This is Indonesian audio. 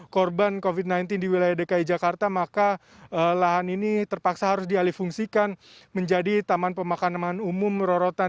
korban covid sembilan belas di wilayah dki jakarta maka lahan ini terpaksa harus dialih fungsikan menjadi taman pemakanan umum rorotan